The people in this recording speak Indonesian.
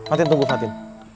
fatin tunggu fatin